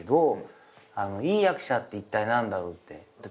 いい役者っていったい何だろうって。